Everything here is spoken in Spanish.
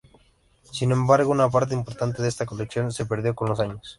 Sin embargo, una parte importante de esta colección se perdió con los años.